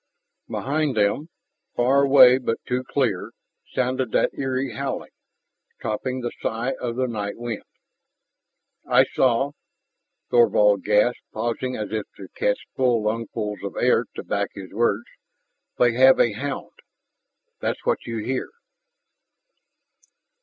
Behind them, far away but too clear, sounded that eerie howling, topping the sigh of the night wind. "I saw " Thorvald gasped, pausing as if to catch full lungfuls of air to back his words, "they have a 'hound!' That's what you hear."